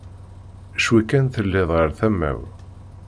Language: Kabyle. Cwi kan telliḍ ɣer tama-w.